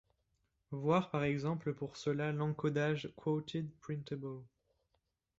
Voir par exemple pour cela l'encodage Quoted-Printable.